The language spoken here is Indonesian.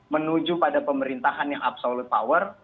menuju pada pemerintahan yang absolut power